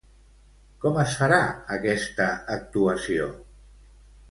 Com es farà aquesta actuació?